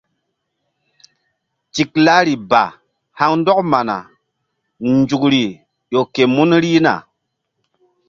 Tiklari ba haŋ ndɔk mana nzukri ƴo ke mun rihna.